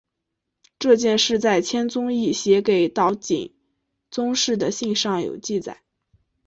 这件事在千宗易写给岛井宗室的信上有记载。